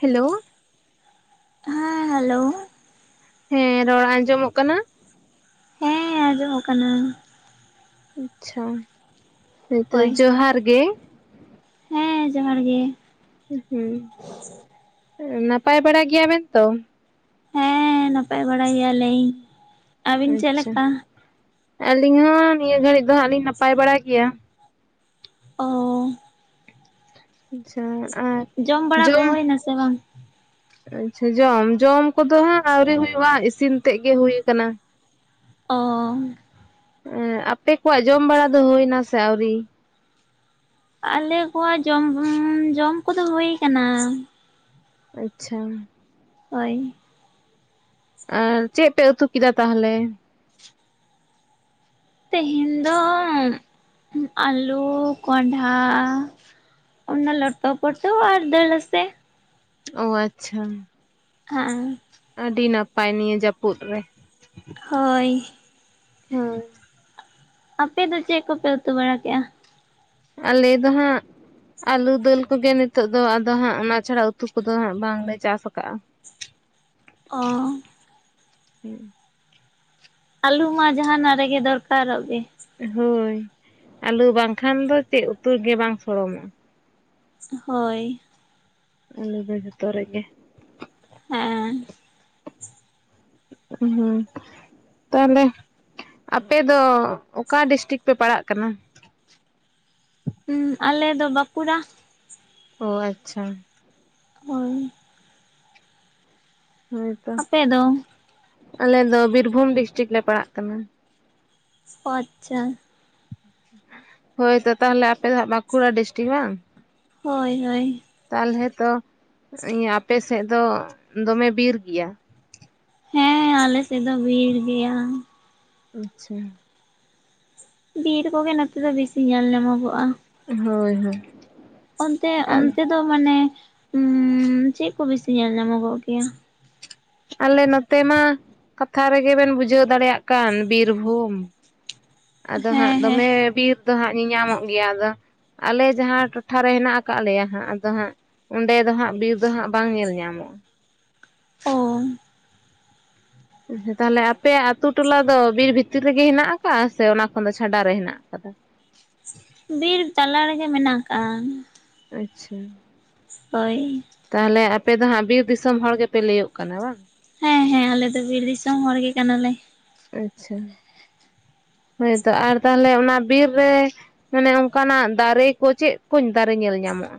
Hello ᱦᱮᱸ hello ᱦᱮᱸ ᱨᱚᱲ ᱟᱸᱡᱚᱢᱚᱜ ᱠᱟᱱᱟ ᱦᱮᱸ ᱟᱡᱚᱢ ᱠᱟᱱᱟ᱾ ᱟᱪᱪᱷᱟ ᱦᱳᱭᱛᱚ ᱦᱳᱭ ᱡᱚᱦᱟᱨ ᱜᱮ᱾ ᱦᱮᱸ ᱡᱚᱦᱟᱨ ᱜᱮ᱾ ᱩᱸᱦᱩᱸ ᱱᱟᱯᱟᱭ ᱵᱟᱲᱟ ᱜᱮᱭᱟ ᱵᱮᱱ ᱛᱚ? ᱦᱮᱸ ᱱᱟᱯᱟᱭ ᱵᱟᱲᱟ ᱜᱮᱭᱟ ᱞᱮᱭᱤᱱ᱾ ᱟᱪᱪᱷᱟ ᱟᱹᱞᱤᱧ ᱦᱚᱸ ᱱᱤᱭᱟᱹ ᱜᱷᱟᱹᱲᱤᱡ ᱫᱚ ᱦᱟᱸᱟᱜ ᱞᱤᱧ ᱱᱟᱯᱟᱭ ᱵᱟᱲᱟ ᱜᱮᱭᱟ᱾ ᱚᱻ ᱟᱪᱪᱷᱟ ᱟᱨ ᱡᱚᱢ ᱵᱟᱲᱟ ᱠᱚ ᱦᱩᱭ ᱱᱟᱥᱮ ᱵᱟᱝ? ᱟᱪᱪᱷᱟ ᱡᱚᱢ ᱡᱚᱢ ᱠᱚᱫᱚ ᱦᱟᱸᱜ ᱟᱹᱣᱨᱤ ᱦᱩᱭᱩᱜᱼᱟ, ᱤᱥᱤᱱ ᱛᱮᱫ ᱜᱮ ᱦᱩᱭ ᱠᱟᱱᱟ᱾ ᱚᱻ ᱮ ᱟᱯᱮ ᱠᱚᱣᱟᱜ ᱡᱚᱢ ᱵᱟᱲᱟ ᱫᱚ ᱦᱩᱭᱱᱟ ᱥᱮ ᱟᱣᱨᱤ? ᱟᱞᱮ ᱠᱚᱣᱟᱜ ᱡᱚᱢ, ᱡᱚᱢ ᱠᱚᱫᱚ ᱦᱩᱭ ᱠᱟᱱᱟ᱾ ᱟᱪᱪᱷᱟ᱾ ᱦᱳᱭ᱾ ᱟᱨ ᱪᱮᱫ ᱯᱮ ᱩᱛᱩ ᱠᱮᱫᱟ ᱛᱟᱦᱚᱞᱮ? ᱛᱮᱦᱮᱧ ᱫᱚ ᱟᱹᱞᱩ ᱠᱚᱸᱰᱷᱟ ᱚᱱᱟ ᱞᱚᱴᱚ ᱯᱚᱴᱚ ᱟᱨ ᱰᱟᱹᱞ ᱨᱟᱹᱥᱮ᱾ ᱚ ᱟᱪᱪᱷᱟ᱾ ᱟᱸᱻ ᱟᱹᱰᱤ ᱱᱟᱯᱟᱭ ᱱᱤᱭᱟᱹ ᱡᱟᱹᱯᱩᱫ ᱨᱮ᱾ ᱦᱳᱭ᱾ ᱦᱚᱭ᱾ ᱟᱯᱮ ᱫᱚ ᱪᱮᱫ ᱠᱚᱯᱮ ᱩᱛᱩ ᱵᱟᱲᱟ ᱠᱮᱜᱼᱟ? ᱟᱞᱮ ᱫᱚ ᱦᱟᱸᱜ ᱟᱞᱩ ᱫᱟᱹᱞ ᱠᱚᱜᱮ ᱱᱤᱛᱚᱜ ᱫᱚ ᱟᱫᱚ ᱦᱟᱸᱜ ᱚᱱᱟ ᱪᱷᱟᱲᱟ ᱩᱛᱩ ᱠᱚᱫᱚ ᱦᱟᱸᱜ ᱵᱟᱝᱞᱮ ᱪᱟᱥ ᱠᱟᱫᱜᱼᱟ᱾ ᱚᱻ ᱦᱮᱸ᱾ ᱟᱞᱩ ᱢᱟ ᱡᱟᱦᱟᱱᱟᱜ ᱨᱮᱜᱮ ᱫᱚᱨᱠᱟᱨᱚᱜ ᱜᱮ᱾ ᱦᱳᱭ ᱟᱞᱩ ᱵᱟᱝᱠᱷᱟᱱ ᱫᱚ ᱪᱮᱫ ᱩᱛᱩ ᱜᱮ ᱵᱟᱝ ᱥᱚᱲᱚᱢᱚᱜ-ᱟ᱾ ᱦᱳᱭ᱾ ᱟᱹᱞᱩ ᱫᱚ ᱡᱚᱛᱚ ᱨᱮᱜᱮ ᱦᱮᱸᱻ ᱩᱦᱩᱸ᱾ ᱛᱟᱦᱚᱞᱮ ᱟᱯᱮ ᱫᱚ ᱚᱠᱟ ᱰᱤᱥᱴᱤᱠ ᱯᱮ ᱯᱟᱲᱟᱜ ᱠᱟᱱᱟ? ᱦᱩᱸ ᱟᱞᱮ ᱫᱚ ᱵᱟᱸᱠᱩᱲᱟ᱾ ᱚ ᱟᱪᱪᱷᱟ᱾ ᱦᱳᱭ᱾ ᱦᱳᱭᱛᱚ ᱟᱯᱮ ᱫᱚ ᱟᱞᱮ ᱫᱚ ᱵᱤᱨᱵᱷᱩᱢ ᱰᱤᱥᱴᱤᱠ ᱞᱮ ᱯᱟᱲᱟᱜ ᱠᱟᱱᱟ᱾ ᱚ ᱟᱪᱪᱷᱟ᱾ ᱦᱳᱭᱛᱚ ᱛᱟᱦᱚᱞᱮ ᱟᱯᱮ ᱫᱚ ᱦᱟᱸᱜ ᱵᱟᱸᱠᱩᱲᱟ ᱰᱤᱥᱴᱤᱠ ᱵᱟᱝ? ᱦᱳᱭ ᱦᱳᱭ᱾ ᱛᱟᱦᱚᱞᱮ ᱛᱚ ᱟᱯᱮᱥᱮᱫ ᱫᱚ ᱫᱚᱢᱮ ᱵᱤᱨ ᱜᱮᱭᱟ? ᱦᱮᱸ ᱟᱞᱮ ᱥᱮᱫ ᱫᱚ ᱵᱤᱨ ᱜᱮᱭᱟ᱾ ᱟᱪᱪᱷᱟ᱾ ᱵᱤᱨ ᱠᱚᱜᱮ ᱱᱚᱛᱮ ᱫᱚ ᱵᱮᱥᱤ ᱧᱮᱞ ᱧᱟᱢᱚᱜᱚᱜᱼᱟ᱾ ᱦᱳᱭ ᱦᱳᱭ᱾ ᱚᱱᱛᱮ ᱟᱨ ᱚᱱᱛᱮ ᱫᱚ ᱢᱟᱱᱮ ᱩᱻ ᱪᱮᱫ ᱠᱚ ᱵᱤᱥᱤ ᱧᱮᱞ ᱧᱟᱢᱚᱜᱚᱜ ᱜᱮᱭᱟ? ᱟᱞᱮ ᱱᱚᱛᱮ ᱢᱟ ᱠᱟᱛᱷᱟ ᱨᱮᱜᱮᱵᱮᱱ ᱵᱩᱡᱷᱟᱹᱣ ᱫᱟᱲᱮᱭᱟᱜ ᱠᱟᱱ ᱵᱤᱨᱵᱷᱩᱢ᱾ ᱟᱫᱚ ᱦᱮᱸ ᱦᱟᱸᱜ ᱦᱮᱸ ᱫᱚᱢᱮ ᱵᱤᱨ ᱫᱚ ᱦᱟᱸᱜ ᱧᱟᱢᱚᱜ ᱜᱮᱭᱟ, ᱟᱫᱚ ᱟᱞᱮ ᱡᱟᱦᱟᱸ ᱴᱚᱴᱷᱟᱨᱮ ᱦᱮᱱᱟᱜ ᱟᱠᱟᱫ ᱞᱮᱭᱟ ᱦᱟᱸᱜ, ᱟᱫᱚ ᱦᱟᱸᱜ ᱚᱸᱰᱮ ᱫᱚ ᱦᱟᱸᱜ ᱵᱤᱨ ᱫᱚ ᱦᱟᱸᱜ ᱵᱟᱝ ᱧᱮᱞ ᱧᱟᱢᱚᱜᱼᱟ ᱚᱻ ᱛᱟᱦᱞᱮ ᱟᱯᱮᱭᱟᱜ ᱟᱛᱩ ᱴᱚᱞᱟ ᱫᱚ ᱵᱤᱨ ᱵᱷᱤᱛᱤᱨ ᱨᱮᱜᱮ ᱦᱮᱱᱟᱜ ᱟᱠᱟᱫᱟ ᱥᱮ ᱚᱱᱟ ᱠᱷᱚᱱ ᱫᱚ ᱪᱷᱟᱰᱟ ᱨᱮ ᱦᱮᱱᱟᱜ ᱟᱠᱟᱫᱟ ᱵᱤᱨ ᱛᱟᱞᱟ ᱨᱮᱜᱮ ᱢᱮᱱᱟᱜ ᱟᱠᱟᱜᱼᱟ ᱟᱪᱪᱷᱟ ᱦᱳᱭ ᱛᱟᱦᱮᱞᱮ ᱟᱯᱮ ᱫᱚ ᱦᱟᱸᱜ ᱵᱤᱨ ᱫᱤᱥᱚᱢ ᱦᱚᱲ ᱜᱮᱯᱮ ᱞᱟᱹᱭᱩᱜ ᱠᱟᱱᱟ ᱵᱟᱝ ᱦᱮᱸ ᱦᱮᱸ ᱟᱞᱮ ᱫᱚ ᱵᱤᱨ ᱫᱤᱥᱚᱢ ᱦᱚᱲ ᱜᱮ ᱠᱟᱱᱟᱞᱮ ᱟᱪᱪᱷᱟ ᱦᱳᱭᱛᱚ ᱟᱨ ᱛᱟᱦᱞᱮ ᱚᱱᱟ ᱵᱤᱨ ᱨᱮ ᱢᱟᱱᱮ ᱚᱱᱠᱟᱱᱟᱜ ᱫᱟᱨᱮ ᱠᱚ ᱪᱮᱫ ᱠᱚ ᱫᱟᱨᱮ ᱧᱮᱞ ᱧᱟᱢᱚᱜ-ᱟ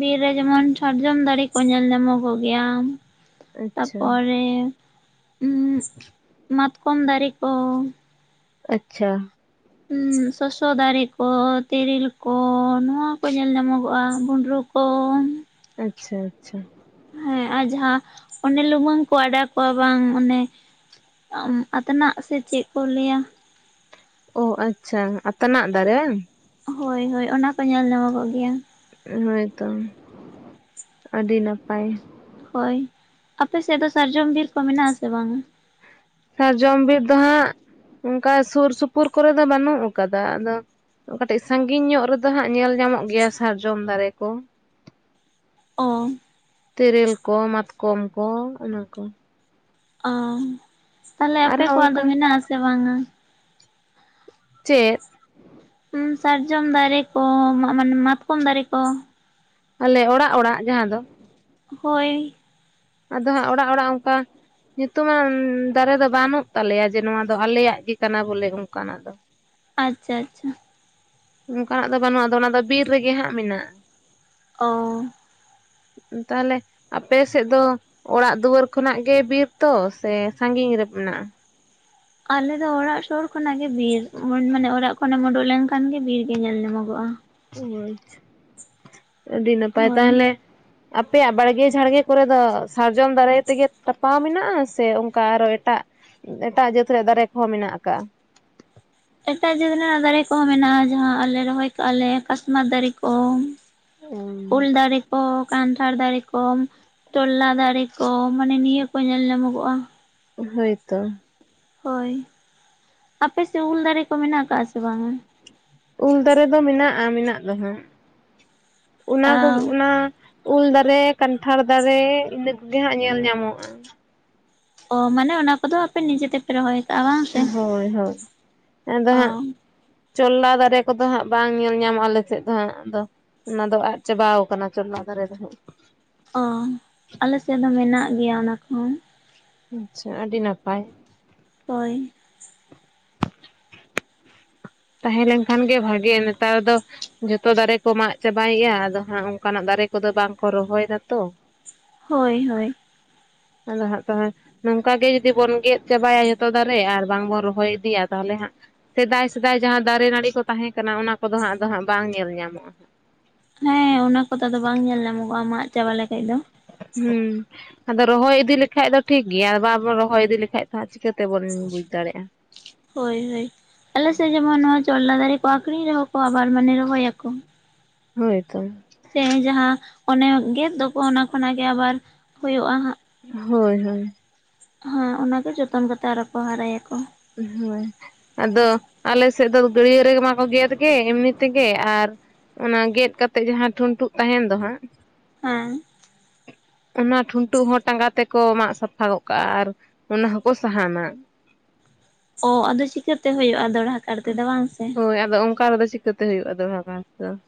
ᱵᱤᱨ ᱨᱮ ᱡᱮᱢᱚᱱ ᱥᱟᱨᱡᱚᱢ ᱫᱟᱨᱮ ᱠᱚ ᱧᱮᱞ ᱧᱟᱢᱚᱜᱚᱜ ᱜᱮᱭᱟ ᱟᱪᱪᱷᱟ ᱛᱟᱯᱚᱨᱮ ᱢᱟᱛᱠᱚᱢ ᱫᱟᱨᱮ ᱠᱚᱻ ᱟᱪᱪᱷᱟ ᱥᱚᱥᱚ ᱫᱟᱨᱮ ᱠᱚ ᱛᱤᱨᱤᱞ ᱠᱚ ᱱᱚᱣᱟ ᱠᱚ ᱧᱮᱞ ᱧᱟᱢᱚᱜᱚᱜᱼᱟ ᱵᱩᱸᱰᱨᱩ ᱠᱚ ᱚᱻ ᱟᱪᱪᱷᱟ ᱪᱷᱟ ᱦᱮᱸ ᱟᱨ ᱡᱟᱦᱟᱸ ᱚᱱᱮ ᱞᱩᱢᱟᱹᱝ ᱠᱚ ᱟᱰᱟ ᱠᱚᱣᱟ ᱵᱟᱝ ᱚᱱᱮ ᱟᱛᱟᱱᱟᱜ ᱥᱮ ᱪᱮᱫ ᱠᱚ ᱞᱟᱹᱭᱟ ᱚ ᱟᱪᱪᱷᱟ ᱟᱛᱱᱟᱜ ᱫᱟᱨᱮᱟᱝ ᱦᱳᱭ ᱦᱳᱭ ᱚᱱᱟᱠᱚ ᱧᱮᱞ ᱧᱟᱢᱚᱜᱚᱜ ᱜᱮᱭᱟ ᱦᱳᱭᱛᱚ ᱟᱹᱰᱤ ᱱᱟᱯᱟᱭ ᱦᱳᱭ ᱟᱯᱮ ᱥᱮᱫ ᱫᱚ ᱥᱟᱨᱡᱚᱢ ᱵᱤᱨ ᱠᱚ ᱢᱮᱱᱟᱜ ᱟᱥᱮ ᱵᱟᱝᱟ ᱥᱟᱨᱡᱚᱢ ᱵᱤᱨ ᱫᱚ ᱦᱟᱸᱜ ᱚᱱᱠᱟ ᱥᱩᱨ ᱥᱩᱯᱩᱨ ᱠᱚᱨᱮ ᱫᱚ ᱵᱟᱹᱱᱩᱜ ᱟᱠᱟᱫᱟ ᱟᱫᱚ ᱠᱟᱹᱴᱤᱡ ᱥᱟᱺᱜᱤᱧ ᱧᱚᱜ ᱨᱮᱫᱚ ᱦᱟᱸᱜ ᱧᱮᱞ ᱧᱟᱢᱚᱜ ᱜᱮᱭᱟ ᱥᱟᱨᱡᱚᱢ ᱫᱟᱨᱮ ᱠᱚ ᱚ ᱛᱤᱨᱤᱞ ᱠᱚ ᱢᱟᱛᱠᱚᱢ ᱠᱚ ᱚᱱᱟ ᱠᱚ ᱚ ᱛᱟᱦᱚᱞᱮ ᱟᱯᱮ ᱟᱨᱦᱚᱸ ᱠᱚᱣᱟᱜ ᱫᱚ ᱚᱱᱠᱟ ᱢᱮᱱᱟᱜ ᱟᱥᱮ ᱵᱟᱝᱟ ᱪᱮᱫ ᱥᱟᱨᱡᱚᱢ ᱫᱟᱨᱮ ᱠᱚ ᱢᱟᱜᱢᱟᱱᱮ ᱢᱟᱛᱠᱚᱢ ᱫᱟᱨᱮ ᱠᱚ ᱟᱞᱮ ᱚᱲᱟᱜ ᱚᱲᱟᱜ ᱡᱟᱦᱟᱸ ᱫᱚ ᱦᱚᱭ ᱟᱫᱚ ᱦᱟᱸᱜ ᱚᱲᱟᱜ ᱚᱲᱟᱜ ᱚᱱᱠᱟ ᱧᱩᱛᱩᱢᱟᱱ ᱫᱟᱨᱮ ᱫᱚ ᱵᱟᱹᱱᱩᱜ ᱛᱟᱞᱮᱭᱟ ᱡᱮ ᱱᱚᱣᱟ ᱫᱚ ᱟᱞᱮᱭᱟᱜ ᱜᱮ ᱠᱟᱱᱟ ᱵᱚᱞᱮ ᱚᱱᱠᱟᱱᱟᱜ ᱫᱚ ᱟᱪᱪᱷᱟ ᱪᱷᱟ ᱚᱱᱠᱟᱱᱟᱜ ᱫᱚ ᱵᱟᱹᱱᱩᱜᱼᱟ ᱚᱱᱟ ᱫᱚ ᱵᱤᱨ ᱨᱮᱜᱮ ᱦᱟᱸᱜ ᱢᱮᱱᱟᱜ-ᱟ ᱚᱻ ᱛᱟᱦᱮᱞᱮ ᱟᱯᱮ ᱥᱮᱫ ᱫᱚ ᱚᱲᱟᱜ ᱫᱩᱣᱟᱹᱨ ᱠᱷᱚᱱᱟᱜ ᱜᱮ ᱵᱤᱨ ᱛᱚ ᱥᱮ ᱥᱟᱜᱤᱧ ᱨᱮ ᱢᱮᱱᱟᱜ-ᱟ ᱟᱞᱮ ᱫᱚ ᱚᱲᱟᱜ ᱥᱩᱨ ᱠᱷᱚᱱᱟᱜ ᱜᱮ ᱵᱤᱨ ᱢᱟᱱᱮ ᱚᱲᱟᱜ ᱠᱷᱚᱱᱮᱢ ᱩᱰᱩᱠ ᱞᱮᱱ ᱠᱷᱟᱱ ᱜᱮ ᱵᱤᱨ ᱜᱮ ᱧᱮᱞ ᱧᱟᱢᱚᱜᱚᱜ-ᱟ ᱚ ᱟᱪᱪᱷᱟ ᱟᱹᱰᱤ ᱱᱟᱯᱟᱭ ᱦᱳᱭ ᱛᱟᱦᱚᱞᱮ ᱟᱯᱮᱭᱟᱜ ᱵᱟᱲᱜᱮ ᱡᱷᱟᱲᱜᱮ ᱠᱚᱨᱮ ᱫᱚ ᱥᱟᱨᱡᱚᱢ ᱫᱟᱨᱟᱭ ᱛᱮᱜᱮ ᱛᱟᱯᱟᱣ ᱢᱮᱱᱟᱜ-ᱟ ᱥᱮ ᱚᱱᱠᱟ ᱟᱨᱚ ᱮᱴᱟᱜ ᱮᱴᱟᱜ ᱡᱟᱹᱛ ᱨᱮᱭᱟᱜ ᱫᱟᱨᱮ ᱠᱚᱦᱚᱸ ᱢᱮᱱᱟᱜ ᱟᱠᱟᱜ-ᱟ ᱮᱴᱟᱜ ᱡᱟᱹᱛ ᱨᱮᱱᱟᱜ ᱫᱟᱨᱮ ᱠᱚᱦᱚᱸ ᱢᱮᱱᱟᱜ-ᱟ ᱡᱟᱦᱟᱸ ᱟᱞᱮ ᱨᱚᱦᱚᱭ ᱠᱟᱜ-ᱟ ᱞᱮ ᱠᱟᱥᱢᱟᱨ ᱫᱟᱨᱮ ᱠᱚ ᱩᱞ ᱫᱟᱨᱮ ᱠᱚ ᱠᱟᱱᱴᱷᱟᱲ ᱫᱟᱨᱮ ᱠᱚ ᱪᱚᱞᱞᱟ ᱫᱟᱨᱮ ᱠᱚ ᱢᱟᱱᱮ ᱱᱤᱭᱟᱹ ᱠᱚ ᱧᱮᱞ ᱧᱟᱢᱚᱜᱚᱜ-ᱟ ᱦᱳᱭᱛᱳ ᱦᱳᱭ ᱟᱯᱮᱥᱮᱫ ᱩᱞ ᱫᱟᱨᱮ ᱠᱚ ᱢᱮᱱᱟᱜ ᱟᱠᱟᱜ-ᱟ ᱥᱮ ᱵᱟᱝᱟ ᱩᱞ ᱫᱟᱨᱮ ᱫᱚ ᱢᱮᱱᱟᱜ-ᱟ ᱢᱮᱱᱟᱜ ᱫᱚ ᱦᱟᱸᱜ ᱚᱱᱟ ᱠᱚᱜᱮ ᱚᱱᱟ ᱩᱞ ᱫᱟᱨᱮ ᱠᱟᱱᱴᱷᱟᱲ ᱫᱟᱨᱮ ᱤᱱᱟᱹ ᱠᱚᱜᱮ ᱦᱟᱸᱜ ᱧᱮᱞ ᱧᱟᱢᱚᱜ-ᱟ ᱚ ᱢᱟᱱᱮ ᱚᱱᱟ ᱠᱚᱫᱚ ᱟᱯᱮ ᱱᱤᱡᱮᱛᱮ ᱨᱚᱦᱚᱭ ᱠᱟᱜ-ᱟ ᱵᱟᱝ? ᱥᱮ ᱦᱚᱭ ᱦᱚᱭ [unintelligible] ᱟᱫᱚ ᱚ ᱦᱟᱸᱜ [inaudible] ᱪᱚᱞᱞᱟ ᱫᱟᱨᱮ ᱠᱚᱫᱚ ᱦᱟᱸᱜ ᱵᱟᱝ ᱧᱮᱞ ᱧᱟᱢᱚᱜ-ᱟ ᱟᱞᱮ ᱥᱮᱫ ᱫᱚ ᱦᱟᱜ ᱫᱚ᱾ ᱚᱱᱟ ᱫᱚ ᱟᱫ ᱪᱟᱵᱟᱣ ᱠᱟᱱᱟ ᱪᱚᱞᱞᱟ ᱫᱟᱨᱮ ᱫᱚ ᱦᱟᱸᱜ᱾ ᱚᱻ [unintelligible] ᱟᱞᱮ ᱥᱮᱫ ᱦᱚᱸ ᱢᱮᱱᱟᱜ ᱜᱮᱭᱟ ᱚᱱᱟ ᱠᱚᱦᱚᱸ ᱾ ᱟᱪᱪᱷᱟ ᱟᱹᱰᱤ ᱱᱟᱯᱟᱭ ᱾ ᱦᱚᱭ ᱛᱟᱦᱮᱸ ᱞᱮᱱᱠᱷᱟᱱ ᱜᱮ ᱵᱷᱟᱜᱮᱼᱟ ᱱᱮᱛᱟᱨ ᱫᱚ ᱡᱚᱛᱚ ᱫᱟᱨᱮ ᱠᱚ ᱢᱟᱜ ᱪᱟᱵᱟᱭᱮᱫᱼᱟ ᱟᱫᱚ ᱦᱟᱸᱜ ᱚᱱᱠᱟᱱᱟᱜ ᱫᱟᱨᱮ ᱠᱚᱫᱚ ᱵᱟᱝᱠᱚ ᱨᱚᱦᱚᱭ ᱫᱟ ᱛᱚ ᱾ [unintelligible] ᱦᱚᱭ ᱦᱚᱭ [unintelligible] ᱟᱫᱚ ᱦᱟᱸᱜ [unintelligible] ᱱᱚᱝᱠᱟ ᱜᱮ ᱡᱩᱫᱤ ᱵᱚᱱ ᱜᱮᱫ ᱪᱟᱵᱟᱭᱟ ᱡᱚᱛᱚ ᱫᱟᱨᱮ ᱟᱨ ᱵᱟᱝ ᱵᱚᱱ ᱨᱚᱦᱚᱭ ᱤᱫᱤᱭᱟ ᱛᱟᱦᱚᱞᱮ ᱦᱟᱸᱜ ᱥᱮᱫᱟᱭ ᱥᱮᱫᱟᱭ ᱡᱟᱦᱟᱸ ᱫᱟᱨᱮ ᱱᱟᱹᱲᱤ ᱠᱚ ᱛᱟᱦᱮᱸ ᱠᱟᱱᱟ ᱚᱱᱟ ᱠᱚᱫᱚ ᱦᱟᱸᱜ ᱟᱫᱚ ᱦᱟᱸᱜ ᱵᱟᱝ ᱧᱮᱞ ᱧᱟᱢᱚᱜᱼᱟ ᱾ ᱦᱮᱸ ᱚᱱᱟ ᱠᱚᱫᱚ ᱟᱫᱚ ᱵᱟᱝ ᱧᱮᱞ ᱧᱟᱢᱚᱜ-ᱟ ᱢᱟᱜ ᱪᱟᱵᱟ ᱞᱮᱠᱷᱟᱡ ᱫᱚ ᱾ ᱦᱩᱸ ᱟᱫᱚ ᱨᱚᱦᱚᱭ ᱤᱫᱤ ᱞᱮᱠᱷᱟᱡ ᱫᱚ ᱴᱷᱤᱠ ᱜᱮᱭᱟ ᱵᱟᱵᱚᱱ ᱨᱚᱦᱚᱭ ᱤᱫᱤ ᱞᱮᱠᱟᱡ ᱫᱚ ᱦᱟᱸᱜ ᱪᱤᱠᱟᱹᱛᱮ ᱵᱚᱱ ᱵᱩᱡᱽ ᱫᱟᱲᱮᱭᱟᱜᱼᱟ ᱾ ᱦᱚᱭ ᱦᱚᱭ ᱟᱞᱮ ᱥᱮᱡ ᱡᱮᱢᱚᱱ ᱱᱚᱣᱟ ᱪᱚᱞᱞᱟ ᱫᱟᱨᱮ ᱠᱚ ᱟᱠᱷᱨᱤᱧ ᱨᱮᱦᱚᱸ ᱠᱚ ᱟᱵᱟᱨ ᱢᱟᱱᱮ ᱠᱚ ᱨᱚᱦᱚᱭᱟ ᱠᱚ ᱾ ᱦᱚᱭ ᱛᱚ ᱾ ᱥᱮ ᱡᱟᱦᱟᱸ ᱚᱱᱮ ᱜᱮᱫ ᱫᱚ ᱠᱚ ᱚᱱᱟ ᱠᱷᱚᱱᱟᱜ ᱜᱮ ᱟᱵᱟᱨ ᱦᱩᱭᱩᱜᱼᱟ ᱦᱟᱸᱜ ᱾ ᱦᱚᱭ ᱦᱚᱭ ᱦᱮᱸ ᱚᱱᱟ ᱜᱮ ᱡᱚᱛᱚᱱ ᱠᱟᱛᱮᱜ ᱟᱨᱚ ᱠᱚ ᱦᱟᱨᱟᱭᱟ ᱠᱚ ᱾ ᱦᱚᱭ ᱾ ᱟᱫᱚ ᱟᱞᱮ ᱥᱮᱫ ᱫᱚ ᱜᱟᱹᱲᱭᱟᱹ ᱨᱮᱢᱟ ᱠᱚ ᱜᱮᱫ ᱜᱮ ᱮᱢᱱᱤ ᱛᱮᱜᱮ ᱟᱨ ᱚᱱᱟ ᱜᱮᱫ ᱠᱟᱛᱮᱜ ᱡᱟᱦᱟᱸ ᱴᱷᱩᱱᱴᱩᱜ ᱛᱟᱦᱮᱱ ᱫᱚ ᱦᱟᱸᱜ ᱦᱟᱸᱻ ᱚᱱᱟ ᱴᱷᱩᱱᱴᱩᱜ ᱦᱚᱸ ᱴᱟᱸᱜᱟ ᱛᱮᱠᱚ ᱢᱟᱜ ᱥᱟᱯᱷᱟ ᱜᱚᱜ ᱠᱟᱜᱼᱟ ᱟᱨ ᱚᱱᱟ ᱦᱚᱸᱠᱚ ᱥᱟᱦᱟᱱᱟ ᱾ ᱚ ᱟᱫᱚ ᱪᱤᱠᱟᱹᱛᱮ ᱦᱩᱭᱩᱜᱼᱟ ᱫᱚᱦᱲᱟ ᱠᱟᱲ ᱛᱮᱫᱚ ᱵᱟᱝ ᱥᱮ ᱾ ᱦᱚᱭ ᱟᱫᱚ ᱚᱱᱠᱟ ᱨᱮᱫᱚ ᱪᱤᱠᱟᱹᱛᱮ ᱦᱩᱭᱩᱜᱼᱟ ᱫᱚᱲᱦᱟ ᱜᱟᱨ ᱫᱚ ᱾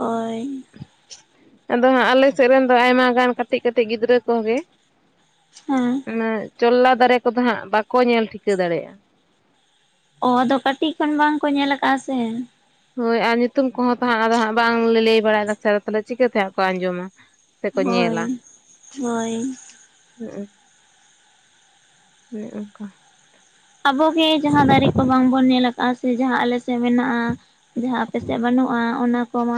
ᱦᱚᱭ ᱾ [unintelligible] ᱟᱫᱚ ᱦᱟᱸᱜ ᱟᱞᱮ ᱥᱮᱫ ᱨᱮᱱ ᱫᱚ ᱟᱭᱢᱟ ᱜᱟᱱ ᱠᱟᱹᱴᱤᱡ ᱠᱟᱹᱴᱤᱡ ᱜᱤᱫᱽᱨᱟᱹ ᱠᱚ ᱜᱮ ᱦᱮᱸ [unintelligible] ᱚᱱᱟ ᱪᱚᱞᱞᱟ ᱫᱟᱨᱮ ᱠᱚᱫᱚ ᱦᱟᱸᱜ ᱵᱟᱠᱚ ᱧᱮᱞ ᱴᱷᱤᱠᱟᱹ ᱫᱟᱲᱮᱭᱟᱜᱼᱟ ᱾ ᱚᱻ ᱟᱫᱚ ᱠᱟᱹᱴᱤᱡ ᱠᱷᱚᱱ ᱵᱟᱝ ᱠᱚ ᱧᱮᱞ ᱟᱠᱟᱫᱼᱟ ᱥᱮ ᱾ ᱦᱚᱭ ᱟᱨ ᱧᱩᱛᱩᱢ ᱠᱚᱦᱚᱸ ᱛᱚ ᱦᱟᱸᱜ ᱟᱫᱚ ᱦᱟᱸᱜ ᱵᱟᱝᱞᱮ ᱞᱟᱹᱭ ᱵᱟᱲᱟᱭ ᱫᱟ ᱛᱚ ᱛᱟᱦᱚᱞᱮ ᱪᱤᱠᱟᱹᱛᱮ ᱦᱟᱸᱜ ᱠᱚ ᱟᱸᱡᱚᱢᱟ ᱾ ᱥᱮᱠᱚ ᱦᱳᱭ ᱧᱮᱞᱟ ᱦᱳᱭ [unintelligible] [unintelligible] ᱚᱝᱠᱟ ᱟᱵᱚ ᱜᱮ ᱡᱟᱦᱟᱸ ᱫᱟᱨᱮ ᱠᱚ ᱵᱟᱝᱵᱚᱱ ᱧᱮᱞ ᱟᱠᱟᱜᱼᱟ ᱥᱮ ᱡᱟᱦᱟᱸ ᱟᱞᱮ ᱥᱮᱫ ᱢᱮᱱᱟᱜᱼᱟ ᱡᱟᱦᱟᱸ ᱟᱯᱮ ᱥᱮᱫ ᱵᱟᱹᱱᱩᱜᱼᱟ ᱚᱱᱟ ᱾ ᱠᱚᱢᱟ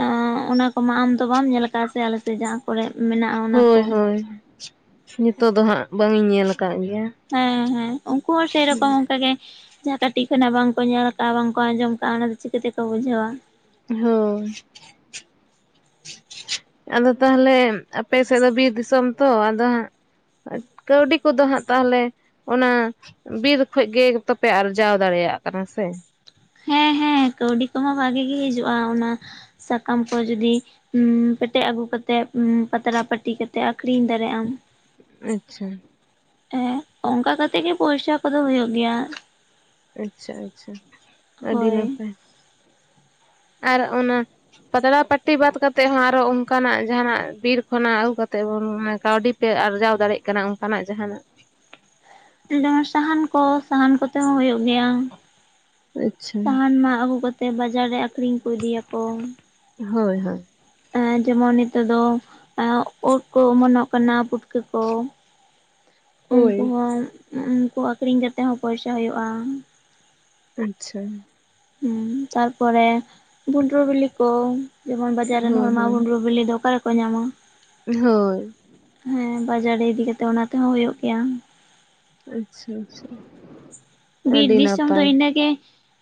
[unintelligible] ᱚᱱᱟ ᱠᱚᱢᱟ ᱟᱢ ᱫᱚ ᱵᱟᱢ ᱧᱮᱞ ᱟᱠᱟᱫᱼᱟ ᱥᱮ ᱟᱞᱮᱥᱮᱫ ᱡᱟᱦᱟᱸ ᱠᱚᱨᱮ ᱢᱮᱱᱟᱜᱼᱟ ᱚᱱᱟ ᱠᱚ ᱾ [unintelligible] [unintelligible] ᱱᱤᱛᱚᱜ ᱫᱚ ᱦᱟᱸᱜ ᱵᱟᱝ ᱤᱧ ᱧᱮᱞ ᱟᱠᱟᱫ ᱜᱮᱭᱟ ᱾ ᱦᱮᱸ ᱦᱮᱸ ᱩᱱᱠᱩ ᱦᱚᱸ ᱥᱮ ᱨᱚᱠᱚᱢ ᱚᱱᱠᱟ ᱜᱮ ᱡᱟᱦᱟᱸ ᱠᱟᱹᱴᱤᱡ ᱠᱷᱚᱱᱟᱜ ᱵᱟᱝᱠᱚ ᱧᱮᱞ ᱟᱠᱟᱫᱼᱟ ᱵᱟᱝ ᱠᱚ ᱟᱸᱡᱚᱢ ᱟᱠᱟᱫᱼᱟ ᱚᱱᱟ ᱫᱚ ᱪᱤᱠᱟᱹ ᱛᱮᱠᱚ ᱵᱩᱡᱷᱟᱹᱣᱟ ᱾ ᱦᱚᱭ [unintelligible] [unintelligible] ᱟᱫᱚ ᱛᱟᱦᱚᱞᱮ ᱟᱯᱮ ᱥᱮᱫ ᱫᱚ ᱵᱤᱨ ᱫᱤᱥᱚᱢ ᱛᱚ ᱟᱫᱚ ᱦᱟᱸᱜ ᱾ ᱠᱟᱹᱣᱰᱤ ᱠᱚᱫᱚ ᱦᱟᱸᱜ ᱛᱟᱦᱚᱞᱮ [inaudible] ᱚᱱᱟ ᱵᱤᱨ ᱠᱷᱚᱡ ᱜᱮ ᱛᱚ ᱯᱮ ᱟᱨᱡᱟᱣ ᱫᱟᱲᱮᱭᱟᱜ ᱠᱟᱱᱟ ᱥᱮ ᱾ ᱦᱮᱸ ᱦᱮᱸ ᱠᱟᱹᱣᱰᱤ ᱠᱚ ᱦᱚᱸ ᱵᱷᱟᱜᱮ ᱜᱮ ᱦᱤᱡᱩᱜᱼᱟ ᱚᱱᱟ ᱥᱟᱠᱟᱢ ᱠᱚ ᱡᱩᱫᱤ ᱯᱮᱴᱮᱡ ᱟᱹᱜᱩ ᱠᱟᱛᱮᱜ ᱯᱟᱛᱲᱟ ᱯᱟᱹᱴᱤ ᱠᱟᱛᱮᱜ ᱟᱠᱷᱨᱤᱧ ᱫᱟᱲᱮᱭᱟᱜ ᱟᱢ ᱾ ᱟᱪᱪᱷᱟ ᱾ ᱦᱮᱸ ᱚᱱᱠᱟ ᱠᱟᱛᱮᱜ ᱜᱮ ᱯᱚᱭᱥᱟ ᱠᱚᱫᱚ ᱦᱳᱭᱳᱜ ᱜᱮᱭᱟ ᱾ ᱟᱪᱪᱷᱟ ᱟᱪᱪᱷᱟ ᱟᱹᱰᱤ ᱦᱳᱭ ᱱᱟᱯᱟᱭ ᱟᱨ ᱚᱱᱟ ᱯᱟᱛᱲᱟ ᱯᱟᱹᱴᱤ ᱵᱟᱫ ᱠᱟᱛᱮ ᱦᱚᱸ ᱟᱨ ᱦᱚᱸ ᱚᱱᱠᱟᱱᱟᱜ ᱡᱟᱦᱟᱱᱟᱜ ᱵᱤᱨ ᱠᱷᱚᱱᱟᱜ ᱟᱹᱜᱩ ᱠᱟᱛᱮ ᱵᱚᱱ ᱠᱟᱹᱣᱰᱤ ᱯᱮ ᱟᱨᱡᱟᱣ ᱫᱟᱲᱮᱭᱟᱜ ᱠᱟᱱᱟ ᱚᱱᱠᱟᱱᱟᱜ ᱡᱟᱦᱟᱱᱟᱜ ᱱᱚᱣᱟᱟ ᱥᱟᱦᱟᱱ ᱠᱚ ᱥᱟᱦᱟᱱ ᱠᱚᱛᱮ ᱦᱚᱸ ᱦᱩᱭᱩᱜ ᱜᱮᱭᱟ ᱟᱪᱪᱷᱟ ᱥᱟᱦᱟᱱ ᱢᱟᱜ ᱟᱹᱜᱩ ᱠᱟᱛᱮ ᱛᱮ ᱵᱟᱡᱟᱨ ᱨᱮ ᱟᱠᱷᱨᱤᱧ ᱠᱚ ᱤᱫᱤᱭᱟᱠᱚ ᱦᱳᱭ ᱦᱳᱭ ᱮ ᱡᱮᱢᱚᱱ ᱱᱤᱛᱚᱜ ᱫᱚ ᱳᱫ ᱠᱚ ᱚᱢᱚᱱᱚᱜ ᱠᱟᱱᱟ ᱯᱩᱴᱠᱟᱹ ᱠᱚ ᱦᱳᱭ ᱩᱱᱠᱩ ᱦᱚᱸ ᱩᱱᱠᱩ ᱟᱠᱷᱨᱤᱧ ᱠᱟᱛᱮ ᱦᱚᱸ ᱯᱚᱭᱥᱟ ᱦᱩᱭᱩᱜᱼᱟ ᱟᱪᱪᱷᱟ ᱦᱩᱸ ᱛᱟᱨᱯᱚᱨᱮ ᱵᱷᱩᱸᱰᱨᱩ ᱵᱤᱞᱤ ᱠᱚ ᱡᱮᱢᱚᱱ ᱵᱟᱡᱟᱨ ᱨᱮᱱ ᱦᱳᱭ ᱦᱚᱲᱢᱟ ᱦᱳᱭ ᱵᱷᱩᱸᱰᱨᱩ ᱵᱤᱞᱤ ᱫᱚ ᱚᱠᱟ ᱨᱮᱠᱚ ᱧᱟᱢᱟ ᱦᱳᱭ ᱦᱮᱸ ᱵᱟᱡᱟᱨ ᱨᱮ ᱤᱫᱤ ᱠᱟᱛᱮᱜ ᱚᱱᱟ ᱛᱮᱦᱚᱸ ᱦᱳᱭᱳᱜ ᱜᱮᱭᱟ ᱟᱪᱪᱷᱟ ᱟᱪᱪᱷᱟ ᱵᱤᱨ ᱟᱹᱰᱤ ᱫᱤᱥᱚᱢ ᱫᱚ ᱱᱟᱯᱟᱭ ᱤᱱᱟᱹᱜᱮ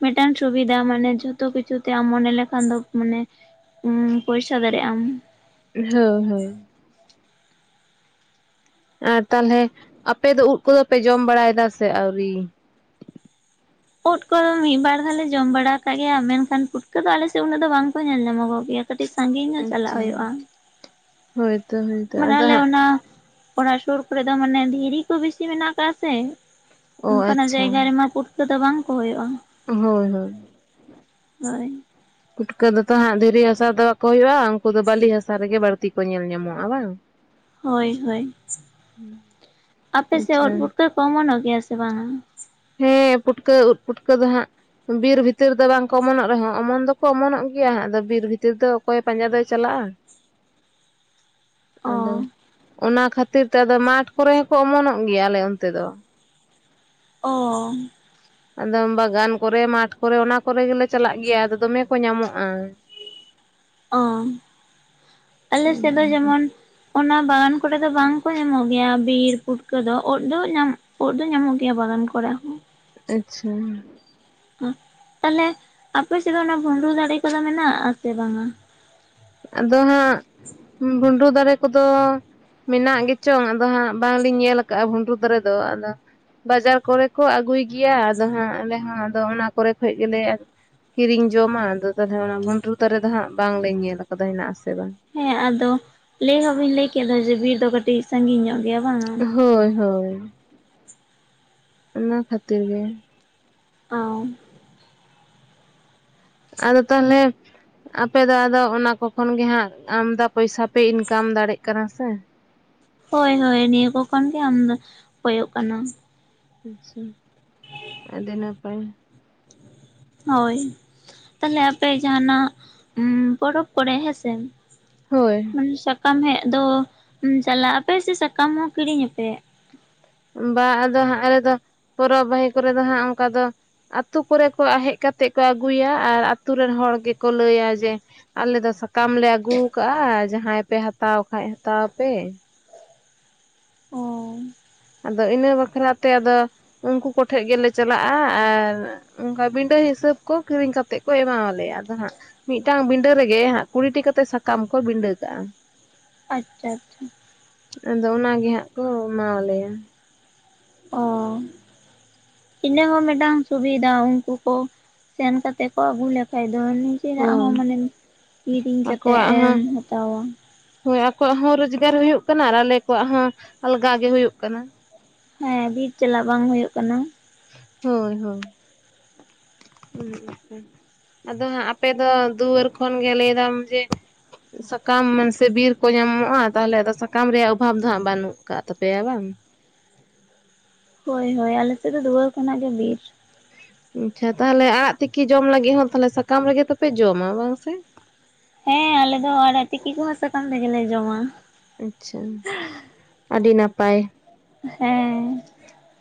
ᱢᱤᱫᱴᱟᱝ ᱥᱩᱵᱤᱫᱷᱟ ᱢᱟᱱᱮ ᱡᱷᱚᱛᱚ ᱠᱤᱪᱷᱩ ᱛᱮ ᱟᱢ ᱢᱚᱱᱮ ᱞᱮᱠᱷᱟᱱ ᱫᱚ ᱢᱟᱱᱮ ᱩᱸ ᱯᱚᱭᱥᱟ ᱫᱟᱲᱮᱭᱟᱜ ᱟᱢ ᱦᱳᱭ ᱦᱳᱭ ᱟᱨ ᱛᱟᱦᱞᱮ ᱟᱯᱮ ᱫᱚ ᱩᱫ ᱠᱚᱫᱚ ᱯᱮ ᱡᱚᱢ ᱵᱟᱲᱟᱭ ᱫᱟᱥᱮ ᱟᱹᱣᱨᱤ ᱩᱫ ᱠᱚᱫᱚ ᱢᱤᱫ ᱵᱟᱨ ᱦᱟᱞᱮ ᱡᱚᱢ ᱵᱟᱲᱟ ᱟᱠᱟᱫ ᱜᱮᱭᱟ ᱢᱮᱱᱠᱷᱟᱱ ᱯᱩᱴᱠᱟᱹ ᱫᱚ ᱟᱞᱮᱥᱮᱫ ᱩᱱᱟᱹᱜ ᱫᱚ ᱵᱟᱝᱠᱚ ᱧᱮᱞ ᱧᱟᱢᱚᱜᱚᱜ ᱜᱮᱭᱟ ᱠᱟᱹᱴᱤᱡ ᱥᱟᱺᱜᱤᱧ ᱧᱚᱜ ᱪᱟᱞᱟᱜ ᱟᱪᱪᱷᱟ ᱦᱳᱭᱳᱜᱼᱟ ᱦᱳᱭᱛᱚ ᱦᱮᱸ ᱢᱟᱱᱮ ᱟᱞᱮ ᱚᱱᱟ ᱚᱱᱟ ᱥᱩᱨ ᱠᱚᱨᱮ ᱫᱚ ᱢᱟᱱᱮ ᱫᱷᱤᱨᱤ ᱠᱚ ᱵᱮᱥᱤ ᱢᱮᱱᱟᱜ ᱠᱟᱜ-ᱟ ᱥᱮ ᱚ ᱚᱱᱠᱟᱱᱟᱜ ᱟᱪᱪᱷᱟ ᱡᱟᱭᱜᱟ ᱨᱮᱢᱟ ᱯᱩᱴᱠᱟᱹ ᱫᱚ ᱵᱟᱝᱠᱚ ᱦᱳᱭᱳᱜᱼᱟ ᱦᱳᱭ ᱦᱳᱭ ᱦᱳᱭ ᱯᱩᱴᱠᱟᱹ ᱫᱚᱛᱚ ᱦᱟᱸᱜ ᱫᱷᱤᱨᱤ ᱦᱟᱥᱟ ᱫᱚ ᱵᱟᱠᱚ ᱦᱩᱭᱩᱜᱼᱟ ᱩᱱᱠᱩ ᱫᱚ ᱵᱟᱹᱞᱤ ᱦᱟᱥᱟ ᱨᱮᱜᱮ ᱵᱟᱹᱲᱛᱤ ᱠᱚ ᱧᱮᱞ ᱧᱟᱢᱚᱜᱼᱟ ᱵᱟᱝ ᱦᱳᱭ ᱦᱳᱭ ᱟᱯᱮ ᱥᱮᱫ ᱟᱪᱪᱷᱟ ᱳᱫ ᱯᱩᱴᱠᱟᱹ ᱠᱚ ᱚᱢᱚᱱᱚᱜ ᱜᱮᱭᱟ ᱥᱮ ᱵᱟᱝᱟ ᱦᱮᱸ ᱯᱩᱴᱠᱟᱹ ᱳᱫ ᱯᱩᱴᱠᱟᱹ ᱫᱚ ᱦᱟᱸᱜ ᱵᱤᱨ ᱵᱷᱤᱛᱤᱨ ᱫᱚ ᱵᱟᱝᱠᱚ ᱚᱢᱚᱱᱚᱜ ᱨᱮᱦᱚᱸ ᱚᱢᱚᱱ ᱫᱚᱠᱚ ᱚᱢᱚᱱᱚᱜ ᱜᱮᱭᱟ ᱟᱫᱚ ᱵᱤᱨ ᱵᱷᱤᱛᱤᱨ ᱫᱚ ᱚᱠᱚᱭ ᱯᱟᱸᱡᱟ ᱫᱚᱭ ᱪᱟᱞᱟᱜᱼᱟ [inaudible] ᱚ ᱟᱫᱚ ᱚᱱᱟ ᱠᱷᱟᱹᱛᱤᱨ ᱛᱮ ᱟᱫᱚ ᱢᱟᱴᱷ ᱠᱚᱨᱮ ᱦᱚᱸᱠᱚ ᱚᱢᱚᱱᱚᱜ ᱜᱮᱭᱟ ᱟᱞᱮ ᱚᱱᱛᱮ ᱫᱚ ᱚᱻ ᱟᱫᱚᱢ ᱵᱟᱜᱟᱱ ᱠᱚᱨᱮ ᱢᱟᱴᱷ ᱠᱚᱨᱮ ᱚᱱᱟ ᱠᱚᱨᱮ ᱜᱮᱞᱮ ᱪᱟᱞᱟᱜ ᱜᱮᱭᱟ ᱟᱫᱚ ᱫᱚᱢᱮ ᱠᱚ ᱧᱟᱢᱚᱜᱼᱟ ᱚ ᱟᱞᱮ ᱥᱮᱫ ᱫᱚ ᱡᱮᱢᱚᱱ ᱚᱱᱟ ᱵᱟᱜᱟᱱ ᱠᱚᱨᱮᱫ ᱫᱚ ᱵᱟᱝᱠᱚ ᱧᱟᱢᱚᱜ ᱜᱮᱭᱟ ᱵᱤᱨ ᱯᱷᱩᱴᱠᱟᱹ ᱫᱚ ᱳᱫ ᱫᱚ ᱧᱟᱢᱚ ᱳᱫ ᱫᱚ ᱧᱟᱢᱚᱜ ᱜᱮᱭᱟ ᱵᱟᱜᱟᱱ ᱠᱚᱨᱮ ᱦᱚᱸ ᱟᱪᱪᱷᱟ ᱚᱦ ᱛᱟᱦᱞᱮ ᱟᱯᱮ ᱥᱮᱫ ᱫᱚ ᱚᱱᱟ ᱵᱷᱩᱸᱰᱩᱨ ᱫᱟᱲᱮ ᱠᱚᱫᱚ ᱢᱮᱱᱟᱜ ᱟᱥᱮ ᱵᱟᱝᱟ ᱟᱫᱚ ᱦᱟᱸᱜ ᱵᱷᱩᱸᱰᱩ ᱫᱟᱨᱮ ᱠᱚᱫᱚ ᱢᱮᱱᱟᱜ ᱜᱮᱪᱚᱝ ᱟᱫᱚ ᱦᱟᱸᱜ ᱵᱟᱝᱞᱤᱧ ᱧᱮᱞ ᱟᱠᱟᱫᱼᱟ ᱵᱷᱩᱸᱰᱩ ᱫᱟᱨᱮ ᱫᱚ ᱟᱫᱚ ᱵᱟᱡᱟᱨ ᱠᱚᱨᱮ ᱠᱚ ᱟᱹᱜᱩᱭ ᱜᱮᱭᱟ ᱟᱫᱚ ᱦᱟᱸᱜ ᱟᱞᱮ ᱦᱚᱸ ᱟᱫᱚ ᱚᱱᱟ ᱠᱚᱨᱮ ᱠᱷᱚᱡ ᱜᱮᱞᱮ ᱠᱤᱨᱤᱧ ᱡᱚᱢᱟ ᱟᱫᱚ ᱛᱟᱦᱚᱞᱮ ᱚᱱᱟ ᱵᱷᱸᱰᱨᱩ ᱫᱟᱨᱮ ᱫᱚ ᱦᱟᱸᱜ ᱵᱟᱝᱞᱮ ᱧᱮᱞ ᱟᱠᱟᱫᱟ ᱦᱮᱱᱟᱜ ᱟᱥᱮ ᱵᱟᱝ ᱦᱮᱸ ᱟᱫᱚ ᱞᱟᱹᱭ ᱦᱚᱸ ᱵᱤᱱ ᱞᱟᱹᱭ ᱠᱮᱫᱟ ᱡᱮ ᱵᱤᱨ ᱫᱚ ᱠᱟᱹᱴᱤᱡ ᱥᱟᱹᱜᱤᱧ ᱧᱚᱜ ᱾ ᱦᱳᱭ ᱦᱳᱭ ᱚᱱᱟ ᱠᱷᱟᱹᱛᱤᱨ ᱜᱮ ᱚᱸ ᱟᱫᱚ ᱛᱟᱦᱚᱞᱮ ᱟᱯᱮ ᱫᱚ ᱟᱫᱚ ᱚᱱᱟ ᱠᱚ ᱠᱷᱚᱱ ᱜᱮ ᱦᱟᱸᱜ ᱟᱢᱫᱟ ᱯᱚᱭᱥᱟ ᱯᱮ ᱤᱱᱠᱟᱢ ᱫᱟᱲᱮᱜ ᱠᱟᱱᱟ ᱥᱮ ᱦᱳᱭ ᱦᱳᱭ ᱱᱤᱭᱟᱹ ᱠᱚ ᱠᱷᱚᱱ ᱜᱮ ᱟᱢᱫᱚ ᱠᱚᱭᱳᱜ ᱠᱟᱱᱟ ᱟᱪᱪᱷᱟ ᱟᱹᱰᱤ ᱱᱟᱯᱟᱭ ᱾ ᱦᱳᱭ ᱛᱟᱦᱚᱞᱮ ᱟᱯᱮ ᱡᱟᱦᱟᱸᱱᱟᱜ ᱯᱚᱨᱚᱵᱽ ᱠᱚᱨᱮ ᱦᱮᱸᱥᱮ ᱦᱳᱭ ᱥᱟᱠᱟᱢ ᱦᱮᱡ ᱫᱚ ᱪᱟᱞᱟᱜ ᱟᱯᱮ ᱥᱮ ᱥᱟᱠᱟᱢ ᱦᱚᱸ ᱠᱤᱨᱤᱧᱟᱯᱮ? ᱵᱟ ᱟᱫᱚ ᱦᱟᱸᱜ ᱟᱞᱮᱫᱚ ᱯᱚᱨᱚᱵᱽ ᱵᱟᱦᱤ ᱠᱚᱨᱮ ᱫᱚ ᱦᱟᱸᱜ ᱚᱝᱠᱟ ᱫᱚ ᱟᱛᱳ ᱠᱚᱨᱮ ᱠᱚ ᱦᱮᱡ ᱠᱟᱛᱮᱫ ᱠᱚ ᱟᱹᱜᱩᱭᱟ ᱟᱨ ᱟᱹᱛᱩ ᱨᱮᱱ ᱦᱚᱲ ᱜᱮᱠᱚ ᱞᱟᱹᱭᱟ ᱡᱮ ᱟᱞᱮ ᱫᱚ ᱥᱟᱠᱟᱢ ᱞᱮ ᱟᱹᱜᱩ ᱠᱟᱜᱼᱟ ᱡᱟᱦᱟᱸᱭ ᱯᱮ ᱦᱟᱛᱟᱣ ᱠᱷᱟᱡ ᱦᱟᱛᱟᱣ ᱯᱮ ᱚᱸ ᱟᱫᱚ ᱤᱱᱟᱹ ᱵᱟᱠᱷᱨᱟ ᱛᱮ ᱟᱫᱚ ᱩᱝᱠᱩ ᱠᱚᱴᱷᱮᱡ ᱜᱮᱞᱮ ᱪᱟᱞᱟᱜᱼᱟ, ᱟᱨ ᱚᱝᱠᱟ ᱵᱤᱱᱰᱟᱹ ᱦᱤᱥᱟᱹᱵ ᱠᱚ ᱠᱤᱨᱤᱧ ᱠᱟᱛᱮᱜ ᱠᱚ ᱮᱢᱟᱞᱮᱭᱟ ᱟᱫᱚ ᱦᱟᱸᱜ ᱢᱤᱫᱴᱟᱝ ᱵᱤᱸᱰᱟᱹ ᱨᱮᱜᱮ ᱦᱟᱸᱜ ᱠᱩᱲᱤᱴᱤ ᱠᱟᱛᱮᱜ ᱥᱟᱠᱟᱢ ᱠᱚ ᱵᱤᱸᱰᱟᱹ ᱠᱟᱜᱼᱟ ᱾ ᱟᱪᱪᱷᱟᱻᱟᱪᱪᱷᱟ ᱾ ᱟᱫᱚ ᱚᱱᱟᱜᱮ ᱦᱟᱸᱜ ᱠᱚ ᱮᱢᱟᱣᱞᱮᱭᱟ ᱾ ᱚᱸ ᱤᱱᱟᱹ ᱦᱚᱸ ᱢᱤᱫᱴᱟᱝ ᱥᱩᱵᱤᱫᱷᱟ ᱩᱱᱠᱩ ᱠᱚ, ᱥᱮᱱ ᱠᱟᱛᱮ ᱠᱚ ᱟᱹᱜᱩ ᱞᱮᱠᱷᱟᱡ ᱫᱚ ᱾ ᱪᱮᱫᱟᱜ ᱦᱳᱭ ᱦᱚᱸ ᱢᱟᱱᱮᱢ ᱠᱤᱨᱤᱧ ᱠᱟᱛᱮᱫ ᱟᱠᱚᱣᱟᱜ ᱮᱢ ᱦᱚᱸ ᱦᱟᱛᱟᱣᱼᱟ ᱾ ᱦᱳᱭ ᱟᱠᱚᱣᱟᱜ ᱦᱚᱸ ᱨᱳᱡᱽᱜᱟᱨ ᱦᱩᱭᱩᱜ ᱠᱟᱱᱟ, ᱟᱨ ᱟᱞᱮ ᱠᱚᱣᱟᱜ ᱦᱚᱸ ᱟᱞᱜᱟ ᱜᱮ ᱦᱩᱭᱩᱜ ᱠᱟᱱᱟ ᱾ ᱦᱮᱸ ᱵᱤᱨ ᱪᱟᱞᱟᱜ ᱵᱟᱝ ᱦᱩᱭᱩᱜ ᱠᱟᱱᱟ ᱾ ᱦᱳᱭᱻᱦᱳᱭᱻᱦᱩᱸ᱾ ᱟᱫᱚ ᱦᱟᱸ ᱟᱯᱮ ᱫᱚ ᱫᱩᱣᱟᱹᱨ ᱠᱷᱚᱱ ᱜᱮ ᱞᱟᱹᱭ ᱫᱟᱢ ᱡᱮ ᱥᱟᱠᱟᱢ ᱢᱟᱥᱮ ᱵᱤᱨ ᱠᱚ ᱧᱟᱢᱚᱜᱼᱟ, ᱛᱟᱦᱚᱞᱮ ᱟᱫᱚ ᱥᱟᱠᱟᱢ ᱨᱮᱭᱟᱜ ᱚᱵᱷᱟᱵ ᱫᱚ ᱦᱟᱸᱜ ᱵᱟᱹᱱᱩᱜ ᱠᱟᱜ ᱛᱟᱯᱮᱭᱟ ᱵᱟᱝ? ᱦᱳᱭ ᱦᱳᱭ ᱟᱞᱮᱥᱮᱫ ᱫᱚ ᱫᱩᱣᱟᱹᱨ ᱠᱷᱚᱱᱟᱜ ᱜᱮ ᱵᱤᱨ ᱾ ᱟᱪᱪᱷᱟ ᱛᱟᱦᱚᱞᱮ ᱟᱲᱟᱜ ᱛᱤᱠᱤ ᱡᱚᱢ ᱞᱟᱹᱜᱤᱫ ᱦᱚᱸ ᱛᱟᱦᱚᱞᱮ ᱥᱟᱠᱟᱢ ᱨᱮᱜᱮ ᱛᱚᱯᱮ ᱡᱚᱢᱟ ᱵᱟᱝ ᱥᱮ? ᱦᱮᱸ ᱟᱞᱮ ᱫᱚ ᱟᱲᱟᱜ ᱛᱤᱠᱤ ᱠᱚᱦᱚᱸ ᱥᱟᱠᱟᱢ ᱛᱮᱜᱮᱞᱮ ᱡᱚᱢᱟ ᱾ ᱟᱪᱪᱷᱟ ᱟᱹᱰᱤ ᱱᱟᱯᱟᱭ ᱾ ᱦᱮᱸ ᱾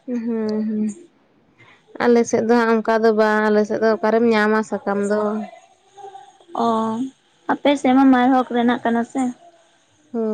ᱦᱮᱸᱻᱦᱮᱸᱻᱟᱞᱮᱥᱮᱫ ᱫᱚ ᱦᱟᱸᱜ ᱚᱝᱠᱟ ᱫᱚ ᱵᱟᱝ ᱟᱞᱮᱥᱮᱫ ᱫᱚ ᱚᱠᱟᱨᱮᱢ ᱧᱟᱢᱟ ᱥᱟᱠᱟᱢ ᱫᱚ ᱾ ᱚ ᱟᱯᱮ ᱥᱮᱫ ᱢᱟ ᱢᱟᱱᱮ ᱦᱚᱠ ᱨᱮᱱᱟᱜ ᱠᱟᱱᱟ ᱥᱮ ᱾ ᱦᱳᱭ